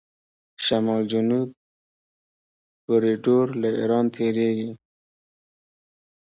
شمال جنوب کوریډور له ایران تیریږي.